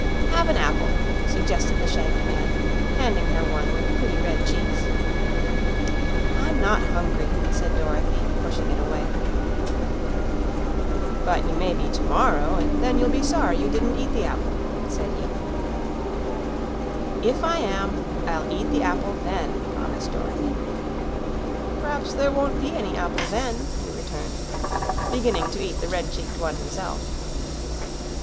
"Have an apple," suggested the shaggy man, handing her one with pretty red cheeks. "I'm not hungry," said Dorothy, pushing it away. "But you may be, to morrow; then you'll be sorry you didn't eat the apple," said he. "If I am, I'll eat the apple then," promised Dorothy. "Perhaps there won't be any apple then," he returned, beginning to eat the red cheeked one himself.